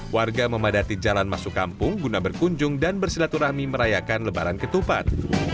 warga memadati jalan masuk kampung guna berkunjung dan bersilaturahmi merayakan lebaran ketupat